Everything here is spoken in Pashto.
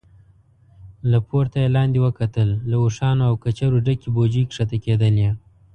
له پورته يې لاندې وکتل، له اوښانو او کچرو ډکې بوجۍ کښته کېدلې.